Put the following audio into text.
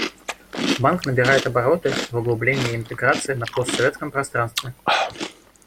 Банк набирает обороты в углублении интеграции на постсоветском пространстве.